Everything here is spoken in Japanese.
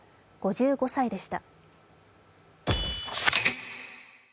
５５歳でした。